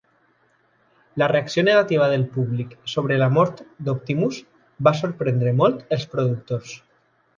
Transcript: La reacció negativa del públic sobre la mort d'Optimus va sorprendre molt els productors.